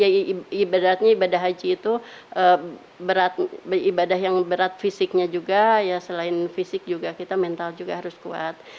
ya ibaratnya ibadah haji itu ibadah yang berat fisiknya juga ya selain fisik juga kita mental juga harus kuat